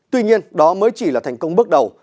tuy nhiên đó mới chỉ là thành công bước đầu